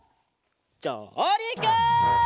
じょうりく！